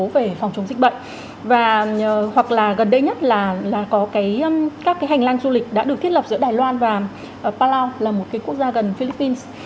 về phòng chống dịch bệnh và hoặc là gần đây nhất là có các hành lang du lịch đã được thiết lập giữa đài loan và palau là một cái quốc gia gần philippines